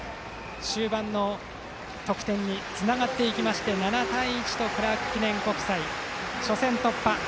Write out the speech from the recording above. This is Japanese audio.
終盤の得点につながりまして７対１とクラーク記念国際、初戦突破。